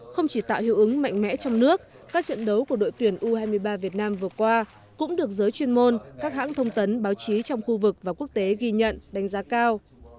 không chỉ tạo hiệu ứng mạnh mẽ trong nước các trận đấu của đội tuyển u hai mươi ba việt nam vừa qua cũng được giới chuyên môn các hãng thông tấn báo chí trong khu vực và quốc tế ghi nhận đánh giá cao